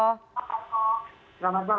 selamat malam pak eko